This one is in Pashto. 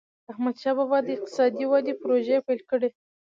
احمدشاه بابا به د اقتصادي ودي پروژي پیل کړي.